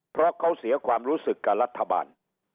เพราะเขาเสียความรู้สึกกับรัฐบาล